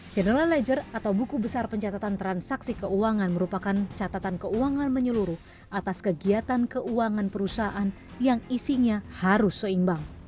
general ledger atau buku besar pencatatan transaksi keuangan merupakan catatan keuangan menyeluruh atas kegiatan keuangan perusahaan yang isinya harus seimbang